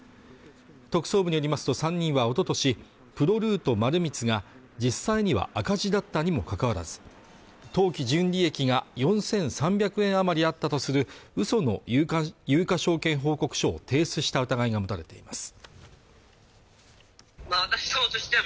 特捜部によりますと３人はおととしプロルート丸光が実際には赤字だったにもかかわらず当期純利益が４３００万円あまりあったとするうその有価有価証券報告書を提出した疑いが持たれています